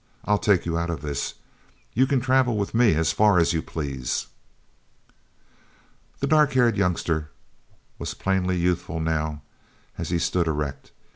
I'll take you out of this. You can travel with me as far as you please." The dark haired youngster was plainly youthful now, as he stood erect.